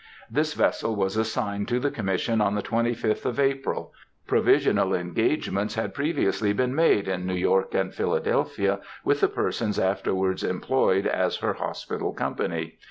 This vessel was assigned to the Commission on the 25th of April. Provisional engagements had previously been made, in New York and Philadelphia, with the persons afterwards employed as her hospital company.